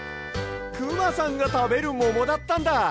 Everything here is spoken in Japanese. くまさんがたべるももだったんだ。